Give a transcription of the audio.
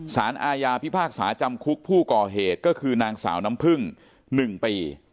สารอาญาพิพากษาจำคุกผู้ก่อเหตุก็คือนางสาวน้ำพึ่ง๑ปี